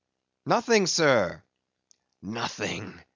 "Nothing, sir." "Nothing!